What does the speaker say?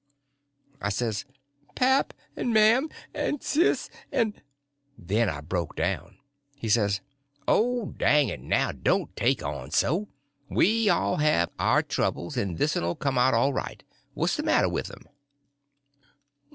I says: "Pap, and mam, and sis, and—" Then I broke down. He says: "Oh, dang it now, don't take on so; we all has to have our troubles, and this 'n 'll come out all right. What's the matter with 'em?"